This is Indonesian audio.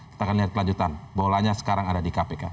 kita akan lihat kelanjutan bolanya sekarang ada di kpk